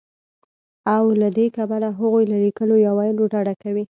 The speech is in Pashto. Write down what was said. او له دې کبله هغوی له ليکلو يا ويلو ډډه کوي